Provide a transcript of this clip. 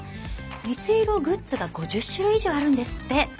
水色グッズが５０種類以上あるんですって。